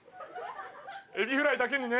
エビフライだけにね。